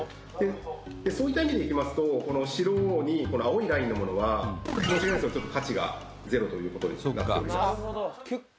「そういった意味でいきますとこの白に青いラインのものは申し訳ないですけどちょっと価値が０という事に」